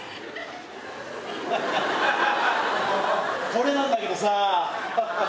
これなんだけどさ。